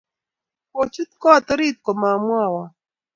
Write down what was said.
kochut koot orit komamoiwon.